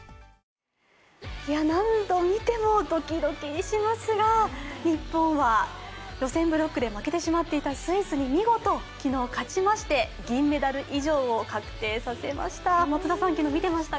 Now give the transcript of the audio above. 何度見てもドキドキしますが日本は予選ブロックで負けてしまったスイスに昨日勝ちまして、銀メダル以上を確定させました。